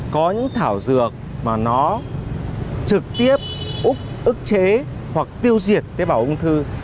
có những thảo dược mà nó trực tiếp úc ức chế hoặc tiêu diệt tế bào ung thư